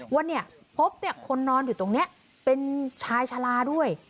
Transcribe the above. ว่าเนี่ยพบคนนอนอยู่ตรงนี้เป็นชายชาลาด้วย